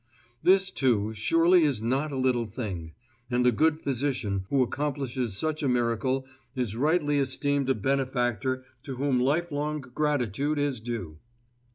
This, too, surely is not a little thing, and the good physician who accomplishes such a miracle is rightly esteemed a benefactor to whom lifelong gratitude is due.